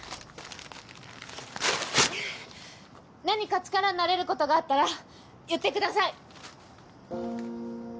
何か力になれることがあったら言ってください！